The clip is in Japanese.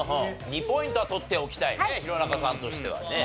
２ポイントは取っておきたいね弘中さんとしてはね。